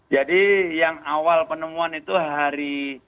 jadi yang awal penemuan itu hari